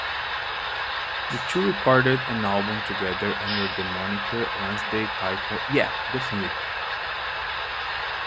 The two recorded an album together under the moniker Wednesday titled "yep definitely".